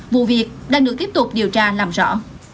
vụ việc đang được tiếp tục điều tra làm rõ